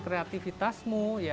kalau kamu nggak bisa menunjukkan